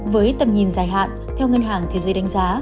với tầm nhìn dài hạn theo ngân hàng thế giới đánh giá